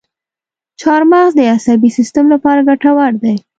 چارمغز د عصبي سیستم لپاره ګټور دی.